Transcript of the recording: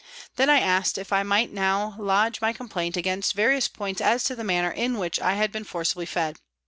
Then I asked if I might now lodge my complaint against various points as to the manner in which I had been forcibly fed.